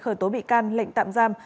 khởi tố bị can lệnh tạm giam